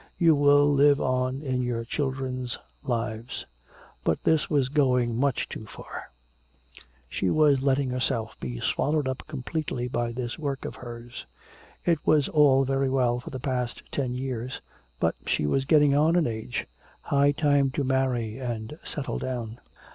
"You will live on in our children's lives." But this was going much too far! She was letting herself be swallowed up completely by this work of hers! It was all very well for the past ten years, but she was getting on in age! High time to marry and settle down!